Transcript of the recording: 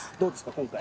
今回。